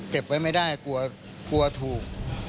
เก็บไว้ไม่ได้กลัวถูก